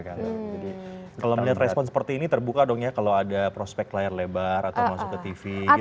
kalau melihat respon seperti ini terbuka dong ya kalau ada prospek layar lebar atau masuk ke tv gitu